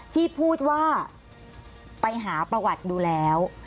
ที่พูดว่าไปหาประวัติดูแล้ว